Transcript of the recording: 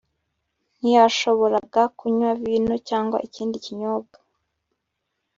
Ntiyashoboraga kunywa vino cyangwa ikindi kinyobwa